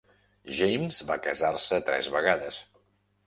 James va casar-se tres vegades.